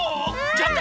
ちょっと！